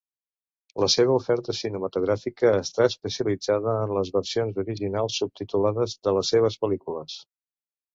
La seva oferta cinematogràfica està especialitzada en les versions originals subtitulades de les seves pel·lícules.